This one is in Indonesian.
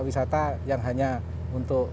wisata yang hanya untuk